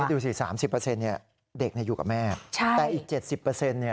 ดูสิ๓๐เนี่ยเด็กอยู่กับแม่ใช่แต่อีก๗๐เนี่ย